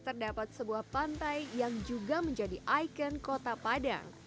terdapat sebuah pantai yang juga menjadi ikon kota padang